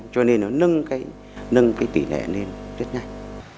cho nên nó nâng tỉ lệ lên rất nhanh